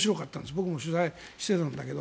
僕も取材してたんだけど。